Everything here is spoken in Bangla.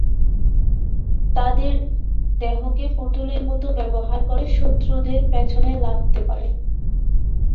তাদের দেহকে পুতুলের মতো ব্যবহার করে শত্রুদের পেছনে লাগতে পারে।